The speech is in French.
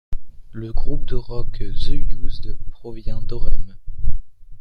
Le groupe de rock The Used provient d’Orem.